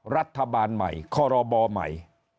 รัฐบาลใหม่คอรบใหม่